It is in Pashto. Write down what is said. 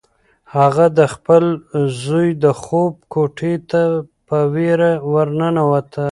هغه د خپل زوی د خوب کوټې ته په وېره ورننوته.